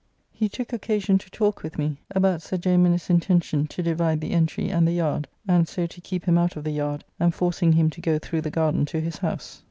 He took occasion to talk with me about Sir J. Minnes's intention to divide the entry and the yard, and so to keep him out of the yard, and forcing him to go through the garden to his house.